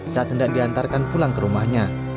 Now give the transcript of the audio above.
saat hendak diantarkan pulang ke rumahnya